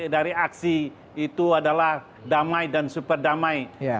dari aksi itu adalah damai dan super damai